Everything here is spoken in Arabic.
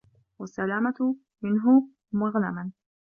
وَالسَّلَامَةُ مِنْهُ مَغْنَمًا